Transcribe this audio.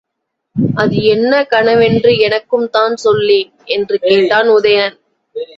அது என்ன கனவென்று எனக்கும் தான் சொல்லேன் என்று கேட்டான் உதயணன்.